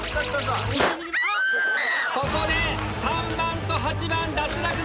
ここで３番と８番脱落です！